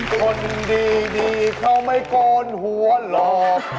คนดีเขาไม่โกนหัวหลอก